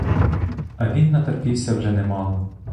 А він натерпівся вже немало.